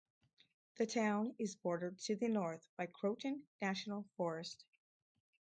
The town is bordered to the north by Croatan National Forest.